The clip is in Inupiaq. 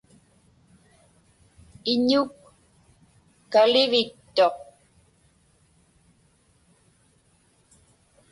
Iñuk kalivittuq.